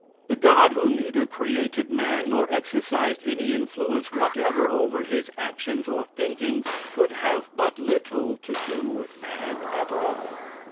The God who neither created man, nor exercised any influence whatever over his actions or thinkings, could have but little to do with man at all.